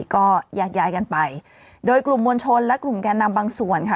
ก็แยกย้ายกันไปโดยกลุ่มมวลชนและกลุ่มแก่นำบางส่วนค่ะ